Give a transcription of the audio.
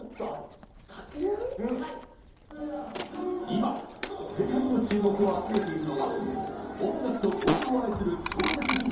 今世界の注目を集めているのが「音楽」と「ボールを操る超絶技術」の組み合わせ